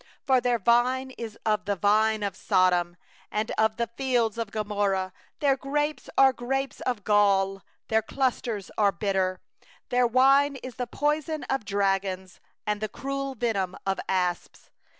32For their vine is of the vine of Sodom, And of the fields of Gomorrah; Their grapes are grapes of gall, Their clusters are bitter; 33Their wine is the venom of serpents, And the cruel poison of asps.